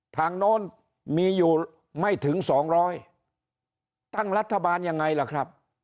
ทางโน้นมีอยู่ไม่ถึง๒๐๐ตั้งรัฐบาลยังไงล่ะครับ